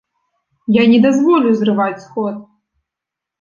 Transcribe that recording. Я не дазволю зрываць сход!